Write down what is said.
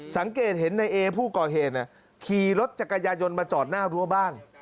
สังเกตเห็นในเอผู้ก่อเหตุขี่รถจักรยายนมาจอดหน้ารั้วบ้าน